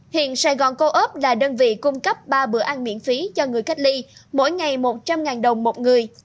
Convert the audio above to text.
hiện sài gòn co op là đơn vị cung cấp ba bữa ăn miễn phí cho người cách ly mỗi ngày một trăm linh đồng một người